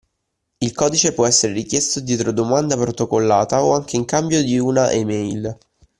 Il codice può essere richiesto dietro domanda protocollata o anche in cambio di una email.